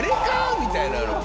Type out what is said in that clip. みたいなの。